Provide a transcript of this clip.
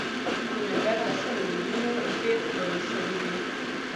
کیمیاګر له شلو میلیونو ډیر پلورل شوی دی.